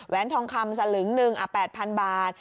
แหวนทองคำสะหรึงหนึ่ง๘๐๐๐บาท